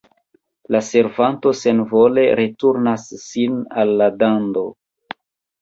La servanto senvole returnas sin al la dando.